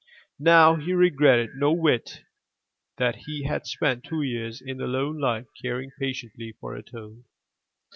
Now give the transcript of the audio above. Now he regretted no whit that he had spent two years in lone life caring patiently for a toad.